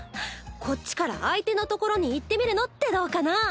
こっちから相手のところに行ってみるのってどうかな？